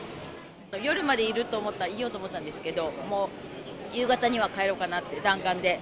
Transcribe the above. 夜までいようと思ったんですけど、もう夕方には帰ろうかなって、弾丸で。